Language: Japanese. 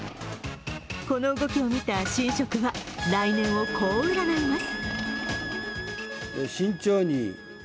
この動きを見た神職は来年をこう占います。